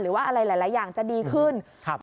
หรือว่าอะไรหลายอย่างจะดีขึ้น